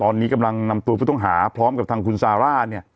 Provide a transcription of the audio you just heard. ตอนนี้กำลังนำตัวผู้ต้องหาพร้อมกับทางคุณซาร่าเนี่ย